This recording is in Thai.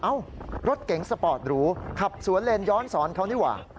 รถเก๋งสปอร์ตหรูขับสวนเลนย้อนสอนเขานี่หว่า